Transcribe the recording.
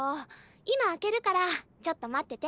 今開けるからちょっと待ってて。